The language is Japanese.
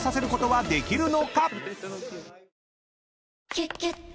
「キュキュット」